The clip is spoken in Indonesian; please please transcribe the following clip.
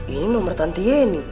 ini nomer tanti ya ini